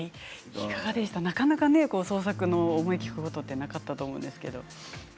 いかがでしたかなかなか創作の思いを聞くことはなかったと思うんですけれど。